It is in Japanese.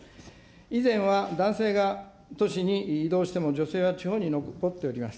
以前は男性が都市に移動しても、女性は地方に残っております。